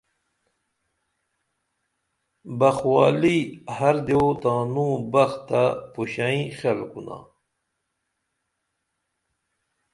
بخ والی ہر دیو تانوں بخ تہ پوشئیں خیل کُنا